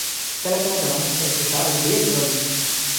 کله کله د ملک صاحب فشار ډېر لوړېږي.